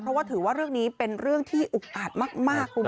เพราะว่าถือว่าเรื่องนี้เป็นเรื่องที่อุกอาจมากคุณ